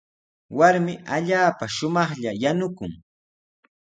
Warmi allaapa shumaqlla yanukun.